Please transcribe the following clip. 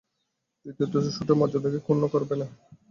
দ্বিতীয়ত, স্যুটের মর্যাদাকে ক্ষুণ্ণ করবে না।